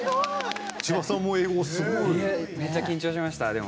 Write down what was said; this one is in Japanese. めちゃ緊張しました、でも。